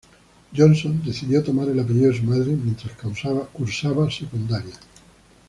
Johnson decidió tomar el apellido de su madre mientras cursaba secundaria.